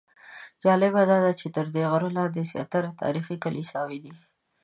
جالبه داده چې تر دې غره لاندې زیاتره تاریخي کلیساوې دي.